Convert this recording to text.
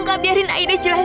bapak tidak boleh